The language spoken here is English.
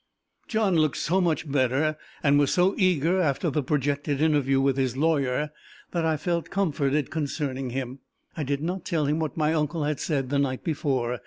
John looked so much better, and was so eager after the projected interview with his lawyer, that I felt comforted concerning him. I did not tell him what my uncle had said the night before.